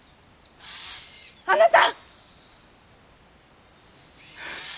あなた！